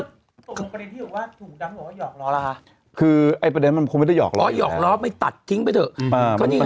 ส่งตรงประเด็นที่อยู่ว่าถูกดังหรือว่าหยอกล้อล่ะค่ะคือไอ้ประเด็นมันคงไม่ได้หยอกล้ออยู่แล้วอ๋อหยอกล้อไม่ตัดทิ้งไปเถอะอืม